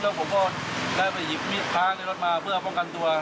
แล้วผมก็ได้ไปหยิบมีดพระในรถมาเพื่อป้องกันตัว